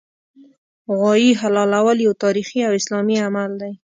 غوايي حلالول یو تاریخي او اسلامي عمل دی